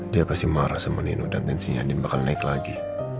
dia pasti marah sama nino dan tensinya dia bakal naik lagi